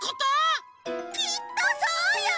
きっとそうよ！